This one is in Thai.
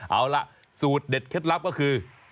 เอาล่ะสูตรเด็ดเคล็ดลับก็คือ